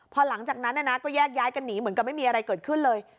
พอหลังจากนั้นก็แยกย้ายกันหนีเหมือนกับไม่มีอะไรเกิดขึ้นเลย